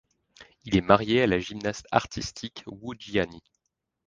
Il est marié à la gymnaste artistique Wu Jiani.